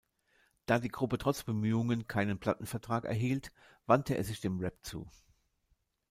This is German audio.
Da die Gruppe trotz Bemühungen keinen Plattenvertrag erhielt, wandte er sich dem Rap zu.